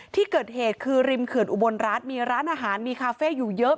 ที่เกิดเหตุคือริมเขื่อนอุบลรัฐมีร้านอาหารมีคาเฟ่อยู่เยอะ